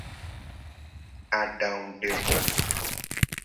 Adangudemo.